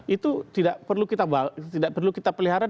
itu tidak perlu kita pelihara